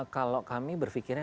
kalau kami berpikirnya